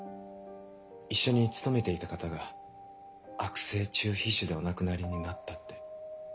一緒に勤めていた方が悪性中皮腫でお亡くなりになったって。